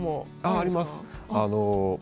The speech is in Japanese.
あります。